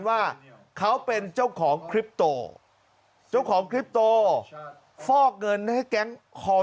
ว่าเขาเป็นเจ้าของคลิปโตเจ้าของคลิปโตฟอกเงินให้แก๊งคอ